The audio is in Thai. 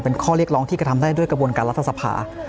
เป็นข้อเรียกร้องที่กระทำได้ด้วยกระบวนการรัฐสภา